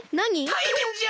たいへんじゃ！